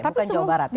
bukan jawa barat ya